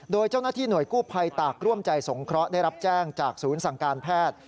โดยเจ้าหน้าที่หน่วยกู้ภัยตากร่วมใจสงเคราะห์ได้รับแจ้งจากศูนย์สั่งการแพทย์